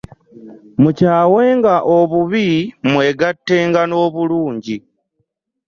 Mukyawenga obubi, mwegattenga n'obulungi.